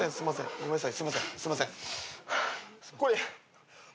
ごめんなさい。